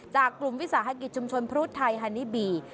จากกลุ่มวิสาหกิจชุมชนพรุษไทยฮานิบี